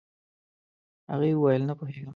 هغې وويل نه پوهيږم.